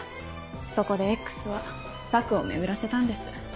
そこでＸは策を巡らせたんです。